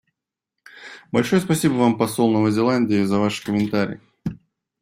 Большое спасибо вам, посол Новой Зеландии, за ваши комментарии.